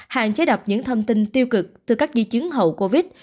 hạn chế đọc những thông tin tiêu cực từ các di chứng hậu covid